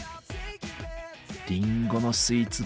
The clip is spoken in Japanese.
りんごのスイーツ